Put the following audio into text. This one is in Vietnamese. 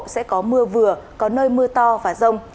sẽ có mưa vừa có nơi mưa to và rông